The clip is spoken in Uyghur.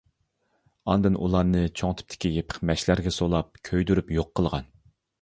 ئاندىن ئۇلارنى چوڭ تىپتىكى يېپىق مەشلەرگە سولاپ، كۆيدۈرۈپ يوق قىلغان.